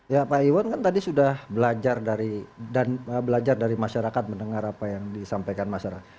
ya pak iwan kan tadi sudah belajar dari dan belajar dari masyarakat mendengar apa yang disampaikan masyarakat